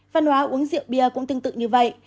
văn hóa uống rượu bia cũng tương tự như vậy